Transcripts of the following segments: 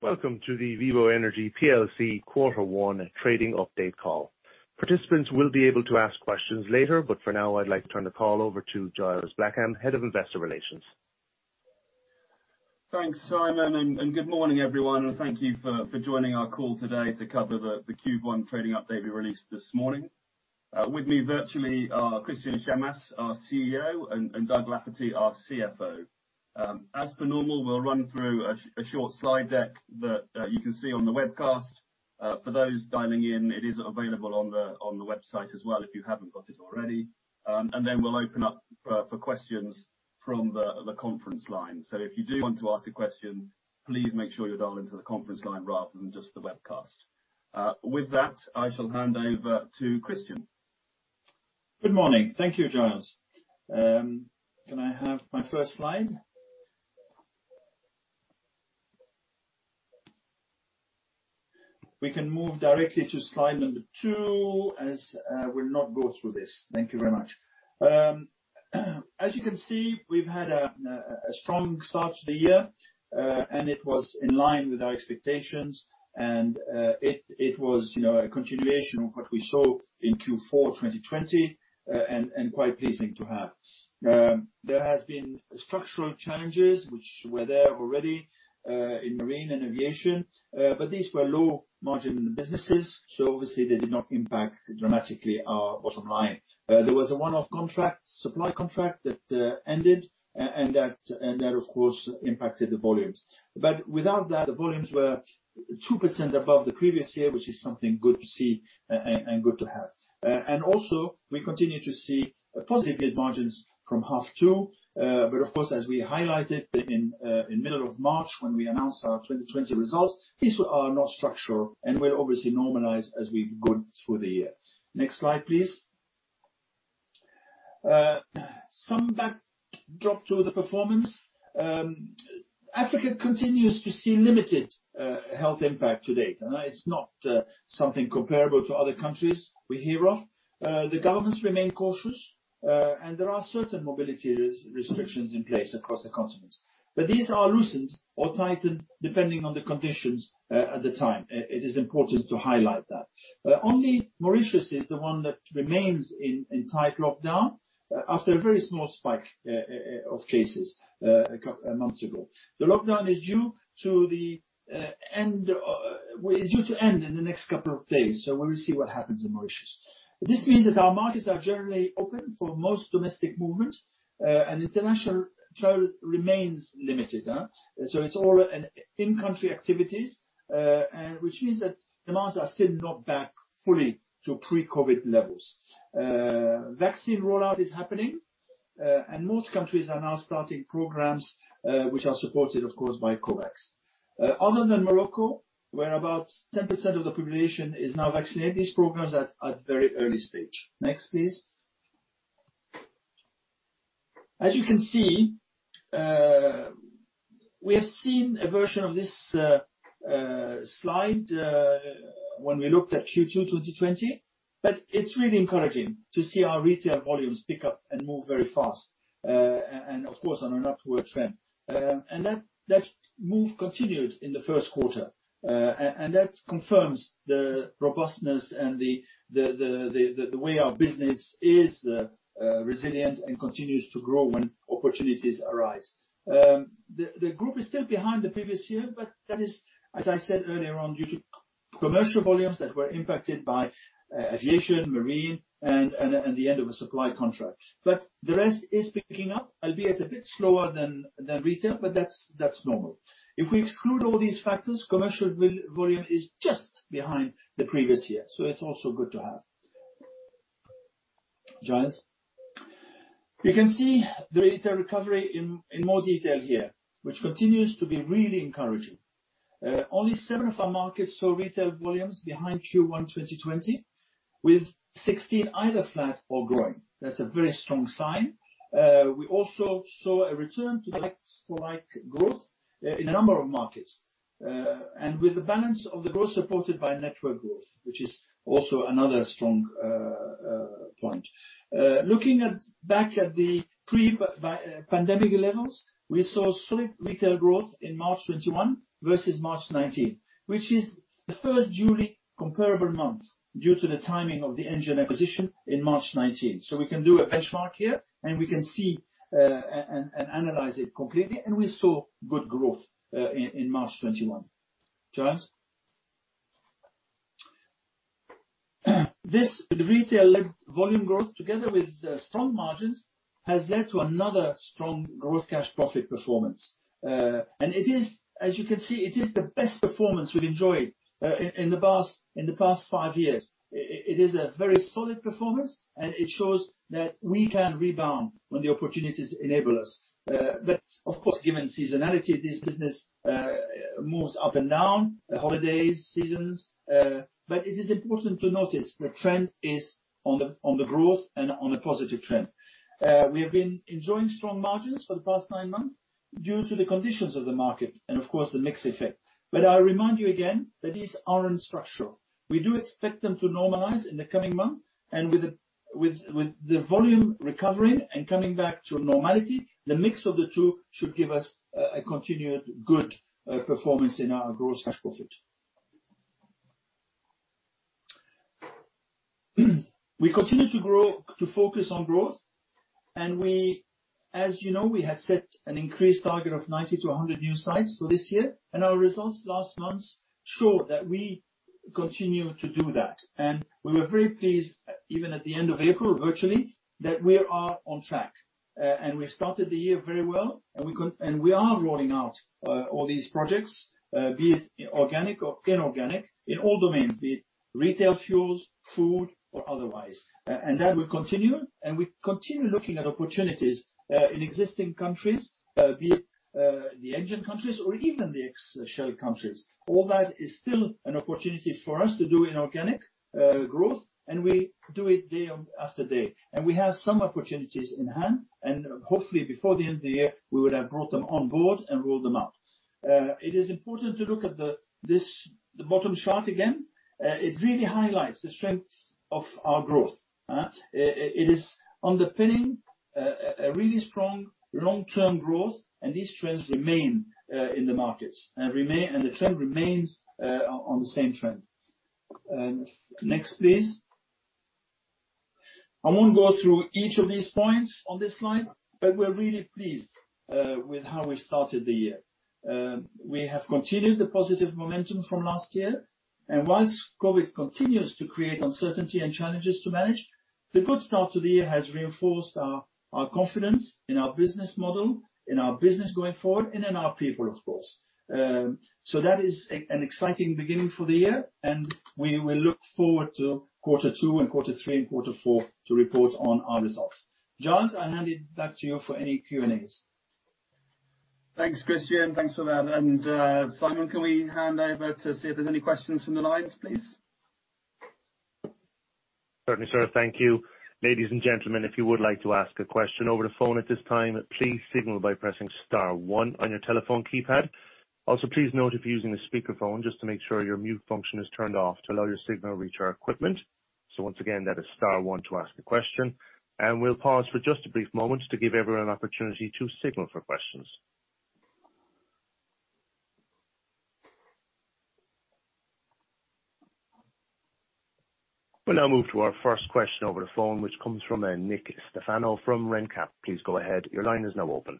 Welcome to the Vivo Energy PLC quarter one Trading Update call. Participants will be able to ask questions later, but for now, I'd like to turn the call over to Giles Blackham, Head of Investor Relations. Thanks, Simon. Good morning, everyone. Thank you for joining our call today to cover the Q1 Trading Update we released this morning. With me virtually are Christian Chammas, our CEO, and Doug Lafferty, our CFO. As per normal, we'll run through a short slide deck that you can see on the webcast. For those dialing in, it is available on the website as well, if you haven't got it already. Then we'll open up for questions from the conference line. If you do want to ask a question, please make sure you dial into the conference line rather than just the webcast. With that, I shall hand over to Christian. Good morning. Thank you, Giles. Can I have my first slide? We can move directly to slide number two as we'll not go through this. Thank you very much. As you can see, we've had a strong start to the year, and it was in line with our expectations, and it was a continuation of what we saw in Q4 2020, and quite pleasing to have. There have been structural challenges which were there already, in marine and aviation. These were low margin businesses, so obviously they did not impact dramatically our bottom line. There was a one-off supply contract that ended, and that, of course, impacted the volumes. Without that, the volumes were 2% above the previous year, which is something good to see and good to have. Also, we continue to see positive EBIT margins from half two. Of course, as we highlighted in middle of March, when we announced our 2020 results, these are not structural and will obviously normalize as we go through the year. Next slide, please. Some backdrop to the performance. Africa continues to see limited health impact to date. It's not something comparable to other countries we hear of. The governments remain cautious, and there are certain mobility restrictions in place across the continent. These are loosened or tightened depending on the conditions at the time. It is important to highlight that. Only Mauritius is the one that remains in tight lockdown after a very small spike of cases a couple months ago. The lockdown is due to end in the next couple of days, we will see what happens in Mauritius. This means that our markets are generally open for most domestic movements. International travel remains limited. It's all in-country activities, which means that demands are still not back fully to pre-COVID levels. Vaccine rollout is happening, and most countries are now starting programs which are supported, of course, by COVAX. Other than Morocco, where about 10% of the population is now vaccinated, these programs are at very early stage. Next, please. As you can see, we have seen a version of this slide when we looked at Q2 2020, but it's really encouraging to see our retail volumes pick up and move very fast, and of course, on an upward trend. That move continued in the first quarter, and that confirms the robustness and the way our business is resilient and continues to grow when opportunities arise. The group is still behind the previous year, that is, as I said earlier on, due to commercial volumes that were impacted by aviation, marine, and the end of a supply contract. The rest is picking up, albeit a bit slower than retail, but that's normal. If we exclude all these factors, commercial volume is just behind the previous year, so it's also good to have. Giles? You can see the retail recovery in more detail here, which continues to be really encouraging. Only seven of our markets saw retail volumes behind Q1 2020, with 16 either flat or growing. That's a very strong sign. We also saw a return to like-for-like growth in a number of markets, and with the balance of the growth supported by network growth, which is also another strong point. Looking back at the pre-pandemic levels, we saw solid retail growth in March 2021 versus March 2019, which is the first truly comparable month due to the timing of the Engen acquisition in March 2019. We can do a benchmark here, and we can see and analyze it completely, and we saw good growth in March 2021. Giles? This retail-led volume growth, together with strong margins, has led to another strong growth cash profit performance. As you can see, it is the best performance we've enjoyed in the past five years. It is a very solid performance, and it shows that we can rebound when the opportunities enable us. Of course, given seasonality, this business moves up and down, the holiday seasons. It is important to notice the trend is on the growth and on a positive trend. We have been enjoying strong margins for the past nine months due to the conditions of the market and of course the mix effect. I remind you again that these aren't structural. We do expect them to normalize in the coming month and With the volume recovering and coming back to normality, the mix of the two should give us a continued good performance in our gross cash profit. We continue to focus on growth, and as you know, we had set an increased target of 90 to 100 new sites for this year, and our results last month show that we continue to do that. We were very pleased, even at the end of April, virtually, that we are on track. We started the year very well, and we are rolling out all these projects, be it organic or inorganic, in all domains, be it retail, fuels, food, or otherwise. That will continue. We continue looking at opportunities in existing countries, be it the Engen countries or even the ex-Shell countries. All that is still an opportunity for us to do inorganic growth, and we do it day after day. We have some opportunities in hand, and hopefully before the end of the year, we would have brought them on board and rolled them out. It is important to look at the bottom chart again. It really highlights the strengths of our growth. It is underpinning a really strong long-term growth, and these trends remain in the markets, and the trend remains on the same trend. Next, please. I won't go through each of these points on this slide, but we're really pleased with how we started the year. We have continued the positive momentum from last year, and while COVID continues to create uncertainty and challenges to manage, the good start to the year has reinforced our confidence in our business model, in our business going forward, and in our people, of course. That is an exciting beginning for the year, and we will look forward to quarter two and quarter three and quarter four to report on our results. Giles, I hand it back to you for any Q&As. Thanks, Christian. Thanks for that. Simon, can we hand over to see if there's any questions from the lines, please? Certainly, sir. Thank you. Ladies and gentlemen, if you would like to ask a question over the phone at this time, please signal by pressing star one on your telephone keypad. Also, please note, if you're using a speakerphone, just to make sure your mute function is turned off to allow your signal to reach our equipment. Once again, that is star one to ask a question. We'll pause for just a brief moment to give everyone an opportunity to signal for questions. We'll now move to our first question over the phone, which comes from Nick Stefanou from RenCap. Please go ahead. Your line is now open.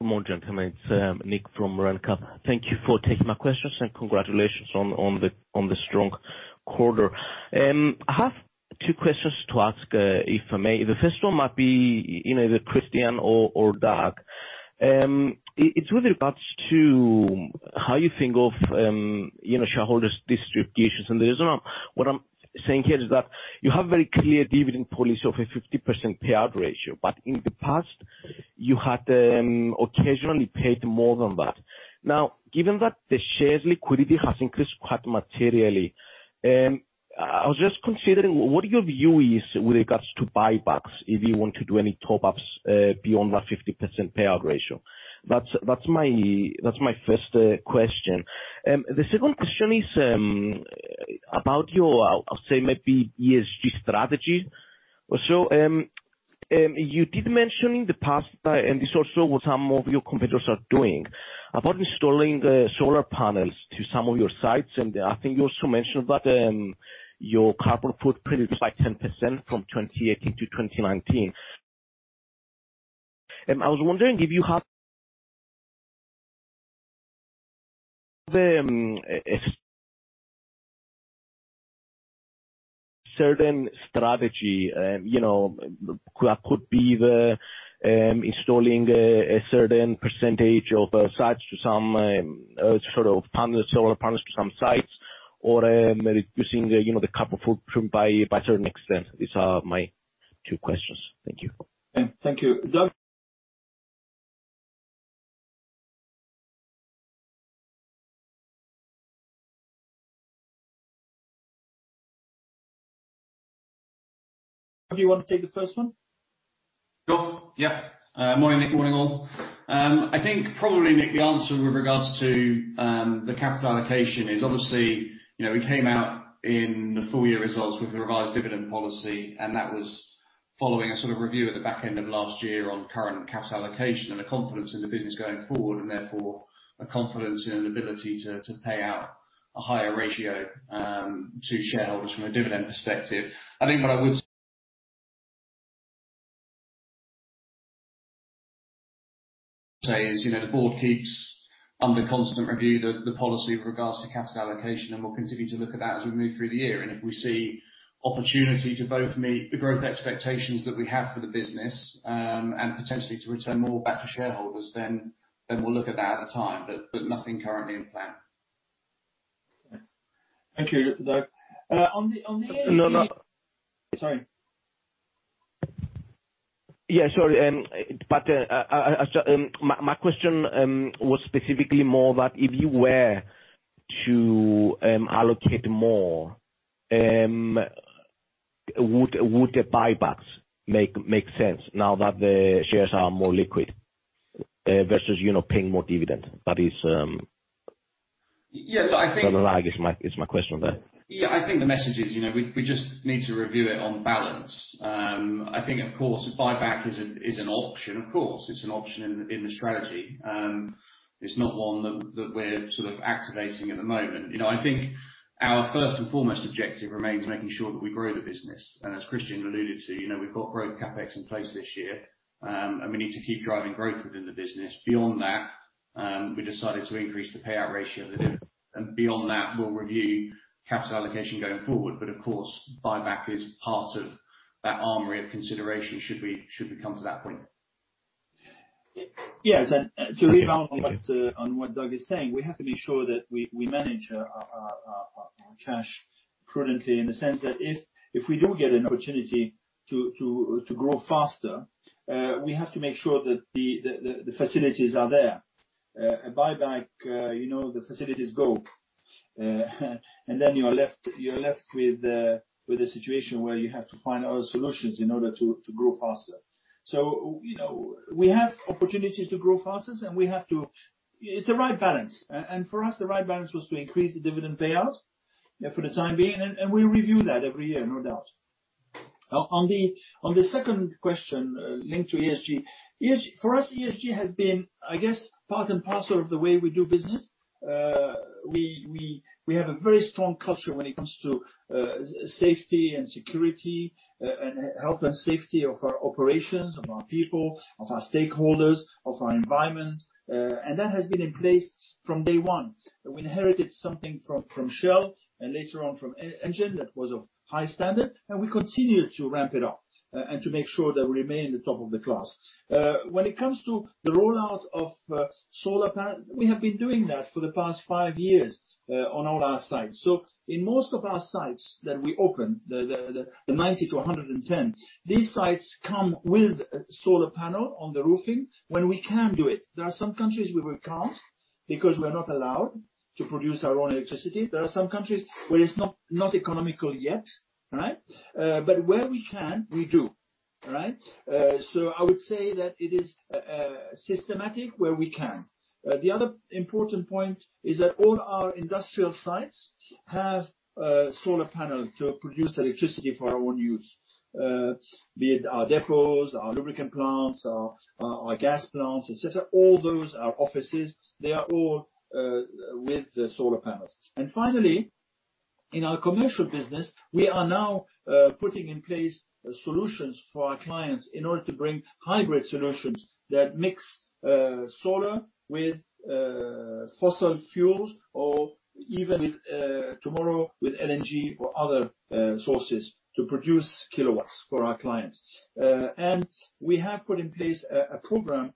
Good morning, gentlemen. It's Nick from RenCap. Thank you for taking my questions, and congratulations on the strong quarter. I have two questions to ask, if I may. The first one might be either Christian or Doug. It's with regards to how you think of shareholders' distributions. The reason what I'm saying here is that you have very clear dividend policy of a 50% payout ratio. In the past, you had occasionally paid more than that. Now, given that the shares liquidity has increased quite materially, I was just considering, what your view is with regards to buybacks if you want to do any top-ups beyond that 50% payout ratio? That's my first question. The second question is about your, I'll say, maybe ESG strategy. You did mention in the past, and this also what some of your competitors are doing, about installing solar panels to some of your sites. I think you also mentioned that your carbon footprint is like 10% from 2018 to 2019. I was wondering if you have a certain strategy that could be installing a certain percentage of solar panels to some sites or reducing the carbon footprint by a certain extent. These are my two questions. Thank you. Thank you. Doug, do you want to take the first one? Sure. Yeah. Morning, Nick. Morning, all. I think probably, Nick, the answer with regards to the capital allocation is obviously, we came out in the full-year results with the revised dividend policy, and that was following a sort of review at the back end of last year on current capital allocation and a confidence in the business going forward, and therefore a confidence and an ability to pay out a higher ratio to shareholders from a dividend perspective. I think what I would say is the board keeps under constant review the policy with regards to capital allocation, and we'll continue to look at that as we move through the year. If we see opportunity to both meet the growth expectations that we have for the business and potentially to return more back to shareholders, then we'll look at that at the time. Nothing currently in plan. Thank you, Doug. No, no. Sorry. Sorry. My question was specifically more that if you were to allocate more, would the buybacks make sense now that the shares are more liquid versus paying more dividend? Yeah, I think- No, I guess it's my question on that. Yeah, I think the message is we just need to review it on balance. I think, of course, a buyback is an option. Of course, it's an option in the strategy. It's not one that we're activating at the moment. I think our first and foremost objective remains making sure that we grow the business. As Christian alluded to, we've got growth CapEx in place this year, and we need to keep driving growth within the business. Beyond that, we decided to increase the payout ratio dividend, and beyond that, we'll review capital allocation going forward. Of course, buyback is part of that armory of consideration should we come to that point. To rebound on what Doug is saying, we have to be sure that we manage our cash prudently in the sense that if we do get an opportunity to grow faster, we have to make sure that the facilities are there. A buyback, the facilities go. Then you are left with a situation where you have to find other solutions in order to grow faster. We have opportunities to grow faster. It's the right balance. For us, the right balance was to increase the dividend payout for the time being. We review that every year, no doubt. On the second question, linked to ESG, for us, ESG has been, I guess, part and parcel of the way we do business. We have a very strong culture when it comes to safety and security, and health and safety of our operations, of our people, of our stakeholders, of our environment. That has been in place from day one. We inherited something from Shell and later on from Engen, that was of high standard, and we continued to ramp it up and to make sure that we remain the top of the class. When it comes to the rollout of solar panel, we have been doing that for the past five years on all our sites. In most of our sites that we open, the 90 to 110, these sites come with solar panel on the roofing when we can do it. There are some countries where we can't because we are not allowed to produce our own electricity. There are some countries where it's not economical yet. Where we can, we do. I would say that it is systematic where we can. The other important point is that all our industrial sites have solar panels to produce electricity for our own use, be it our depots, our lubricant plants, our gas plants, et cetera. All those, our offices, they are all with solar panels. Finally, in our commercial business, we are now putting in place solutions for our clients in order to bring hybrid solutions that mix solar with fossil fuels or even tomorrow with LNG or other sources to produce kilowatts for our clients. We have put in place a program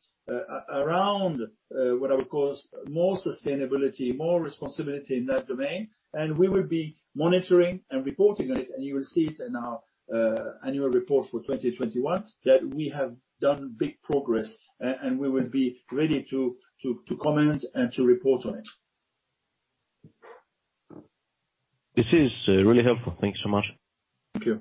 around what I would call more sustainability, more responsibility in that domain, and we will be monitoring and reporting on it. You will see it in our annual report for 2021, that we have done big progress, and we will be ready to comment and to report on it. This is really helpful. Thank you so much. Thank you.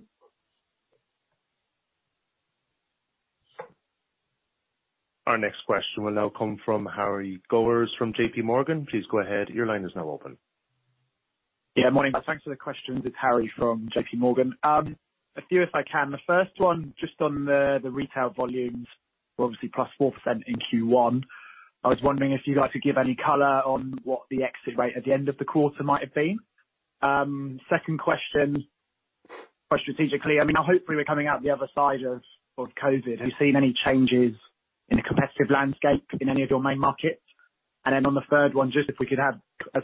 Our next question will now come from Harry Gowers from JPMorgan. Please go ahead. Yeah, morning. Thanks for the questions. It's Harry from JPMorgan. A few if I can. The first one just on the retail volumes, obviously +4% in Q1. I was wondering if you'd like to give any color on what the exit rate at the end of the quarter might have been. Second question, more strategically, hopefully we're coming out the other side of COVID. Have you seen any changes in the competitive landscape in any of your main markets? Then on the third one, just if we could have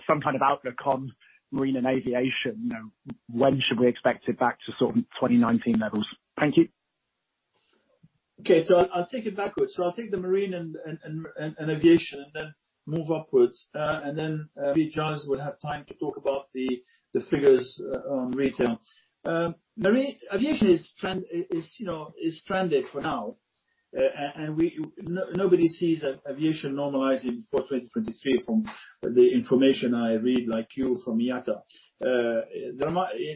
some kind of outlook on marine and aviation. When should we expect it back to sort of 2019 levels? Thank you. Okay. I'll take it backwards. I'll take the marine and aviation and then move upwards. Maybe Giles would have time to talk about the figures on retail. Aviation is stranded for now. Nobody sees aviation normalizing before 2023 from the information I read, like you, from IATA.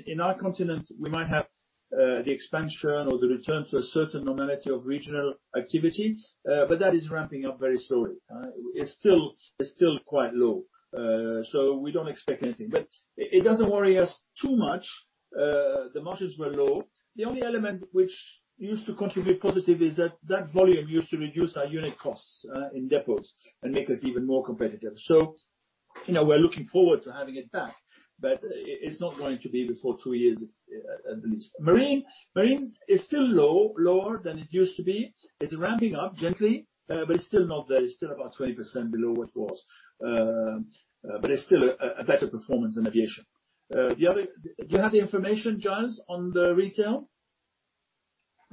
In our continent, we might have the expansion or the return to a certain normality of regional activity, but that is ramping up very slowly. It's still quite low. We don't expect anything. It doesn't worry us too much. The margins were low. The only element which used to contribute positive is that that volume used to reduce our unit costs in depots and make us even more competitive. We're looking forward to having it back, but it's not going to be before two years at least. Marine is still low, lower than it used to be. It's ramping up gently, but it's still not there. It's still about 20% below what it was. It's still a better performance than aviation. Do you have the information, Giles, on the retail?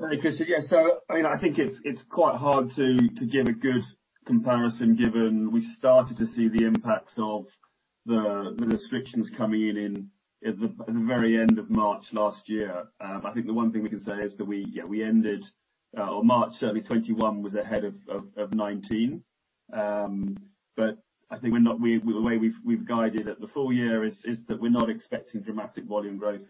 Hi, Christian. Yeah. I think it's quite hard to give a good comparison given we started to see the impacts of the restrictions coming in at the very end of March last year. I think the one thing we can say is that we ended, or March 30, 2021 was ahead of 2019. I think the way we've guided at the full year is that we're not expecting dramatic volume growth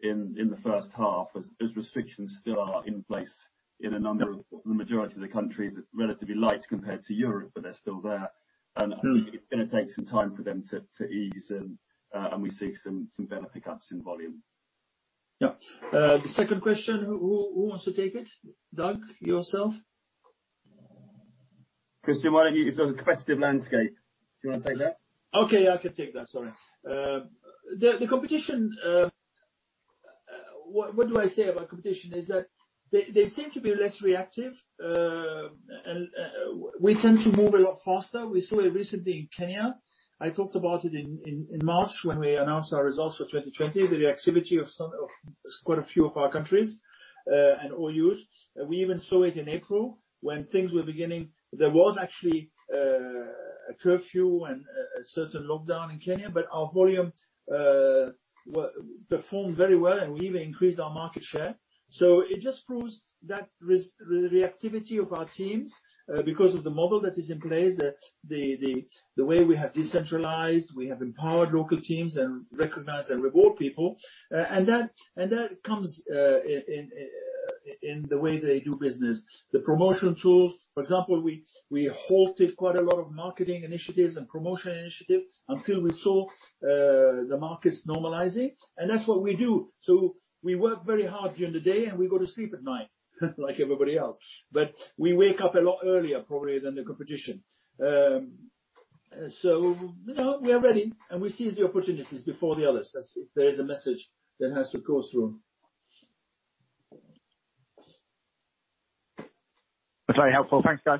in the first half as restrictions still are in place in a number of the majority of the countries. Relatively light compared to Europe, but they're still there. I think it's going to take some time for them to ease and we see some better pick-ups in volume. Yeah. The second question, who wants to take it? Doug, yourself? Christian, It's on competitive landscape. Do you want to take that? Okay, I can take that. Sorry. The competition, what do I say about competition is that they seem to be less reactive, and we tend to move a lot faster. We saw it recently in Kenya. I talked about it in March when we announced our results for 2020, the reactivity of quite a few of our countries, and OUs. We even saw it in April when things were beginning. There was actually a curfew and a certain lockdown in Kenya. Our volume performed very well, and we even increased our market share. It just proves that reactivity of our teams, because of the model that is in place, the way we have decentralized, we have empowered local teams and recognize and reward people, and that comes in the way they do business. The promotional tools, for example, we halted quite a lot of marketing initiatives and promotion initiatives until we saw the markets normalizing. That's what we do. We work very hard during the day, and we go to sleep at night like everybody else. We wake up a lot earlier probably than the competition. We are ready, and we seize the opportunities before the others. If there is a message that has to go through. That's very helpful. Thanks, guys.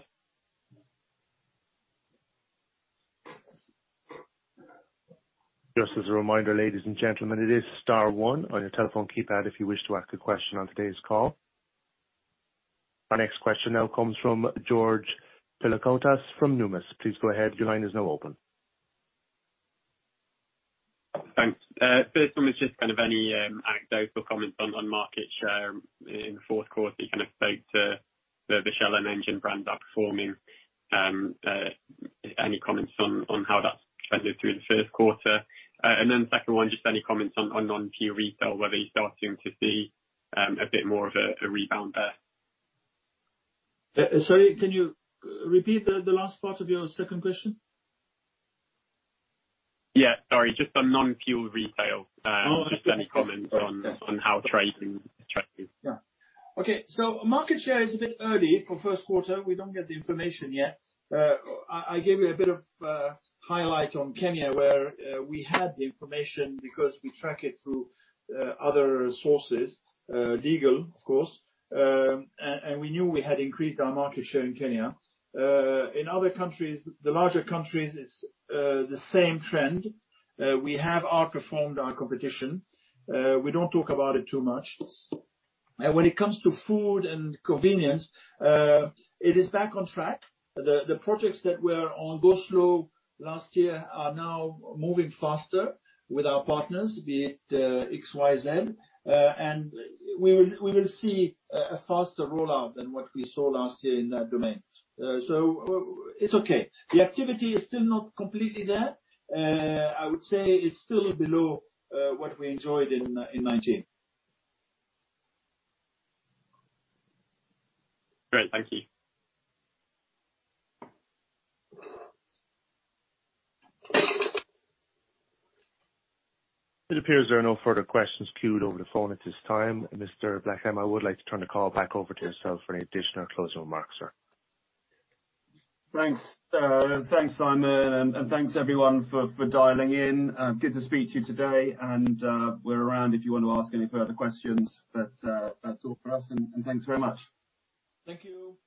Just as a reminder, ladies and gentlemen, it is star one on your telephone keypad if you wish to ask a question on today's call. Our next question now comes from George Pilakoutas from Numis. Please go ahead. Your line is now open. Thanks. First one is just kind of any anecdotal comments on market share in the fourth quarter. You kind of spoke to the Shell and Engen brands are performing. Any comments on how that's trended through the first quarter? Second one, just any comments on non-fuel retail, whether you're starting to see a bit more of a rebound there. Sorry, can you repeat the last part of your second question? Yeah, sorry. Just on non-fuel retail. Oh, that's good. Just any comments on how trading tracked you? Yeah. Okay, market share is a bit early for first quarter. We don't get the information yet. I gave you a bit of a highlight on Kenya, where we had the information because we track it through other sources, legal of course, and we knew we had increased our market share in Kenya. In other countries, the larger countries, it's the same trend. We have outperformed our competition. We don't talk about it too much. When it comes to food and convenience, it is back on track. The projects that were on go slow last year are now moving faster with our partners, be it XYZ, and we will see a faster rollout than what we saw last year in that domain. It's okay. The activity is still not completely there. I would say it's still below what we enjoyed in 2019. Great. Thank you. It appears there are no further questions queued over the phone at this time. Mr. Blackham, I would like to turn the call back over to yourself for any additional closing remarks, sir. Thanks. Thanks, Simon, and thanks everyone for dialing in. Good to speak to you today, and we're around if you want to ask any further questions. That's all for us, and thanks very much. Thank you.